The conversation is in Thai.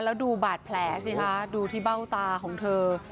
แล้วดูบาดแผลสิคะดูที่เบ้าตาของเธอ